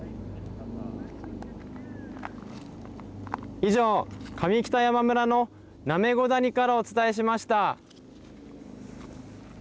以上、上北山村のナメゴ谷からお伝えしました。